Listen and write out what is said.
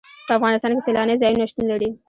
په افغانستان کې سیلانی ځایونه شتون لري.